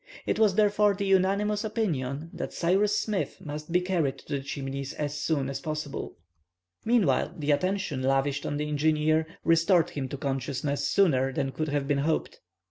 It was therefore the unanimous opinion that Cyrus Smith must be carried to the Chimneys as soon as possible. Meantime the attention lavished on the engineer restored him to consciousness sooner than could have been hoped.